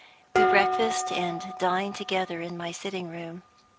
We breakfast and dine together in my sitting room.